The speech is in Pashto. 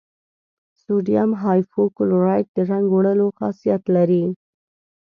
سوډیم هایپو کلورایټ د رنګ وړلو خاصیت لري.